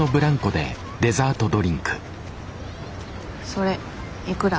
それいくら？